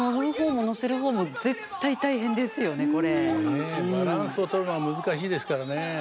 ねえバランスをとるのが難しいですからね。